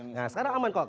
nah sekarang aman kok